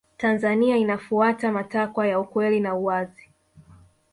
tanzania inafuata matakwa ya ukweli na uwazi